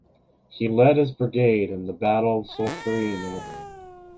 He led his brigade in the Battle of Solferino.